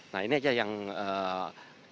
nah ini aja yang acara hari ini